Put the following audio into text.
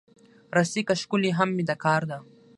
رسۍ که ښکلې هم وي، د کار ده.